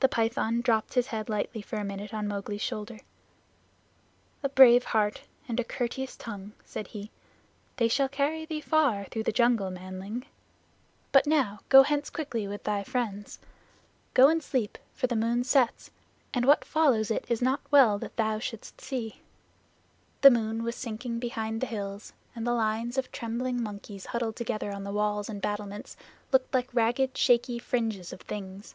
The Python dropped his head lightly for a minute on Mowgli's shoulder. "A brave heart and a courteous tongue," said he. "They shall carry thee far through the jungle, manling. But now go hence quickly with thy friends. Go and sleep, for the moon sets, and what follows it is not well that thou shouldst see." The moon was sinking behind the hills and the lines of trembling monkeys huddled together on the walls and battlements looked like ragged shaky fringes of things.